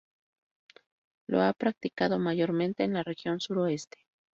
Lo ha practicado mayormente en la región suroeste.